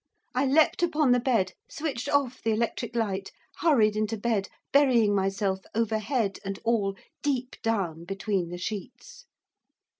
I leaped upon the bed, switched off the electric light, hurried into bed, burying myself, over head and all, deep down between the sheets.